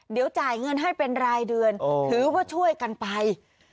เดี๋ยวจ่ายเงินให้เป็นรายเดือนถือว่าช่วยกันไป